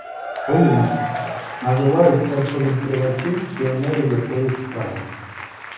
Колумб - називають першовідкривачів, піонерів якоїсь справи